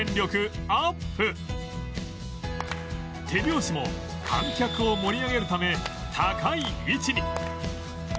手拍子も観客を盛り上げるため高い位置に！